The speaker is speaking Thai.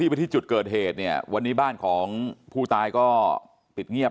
ไปที่จุดเกิดเหตุเนี่ยวันนี้บ้านของผู้ตายก็ปิดเงียบ